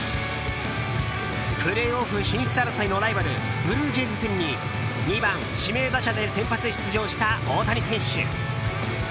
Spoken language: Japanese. プレーオフ進出争いのライバルブルージェイズ戦に２番指名打者で先発出場した大谷選手。